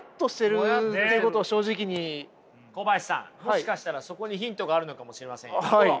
もしかしたらそこにヒントがあるのかもしれませんよ？